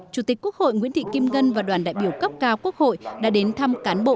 chủ tịch quốc hội nguyễn thị kim ngân và đoàn đại biểu cấp cao quốc hội đã đến thăm cán bộ